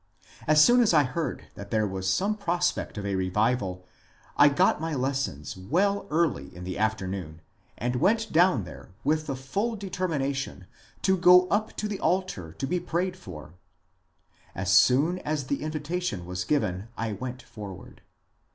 As soon as I heard that there was some prospect of a revival, I got my lessons well early in the afternoon and went down there with the full determination to go up to the altar to be prayed for. As soon as the invita tion was given I went forward.